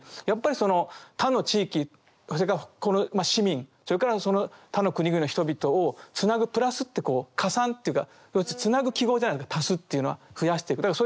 やっぱりその他の地域それからこの市民それからその他の国々の人々をつなぐ「プラス」ってこう加算というかつなぐ記号じゃないですか足すっていうのは増やしていく。